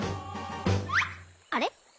あれ？